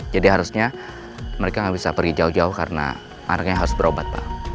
jadi harusnya mereka nggak bisa pergi jauh jauh karena anaknya harus berobat pak